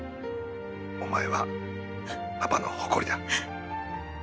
お前はパパの誇りだ。